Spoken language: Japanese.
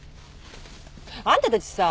あんたたちさ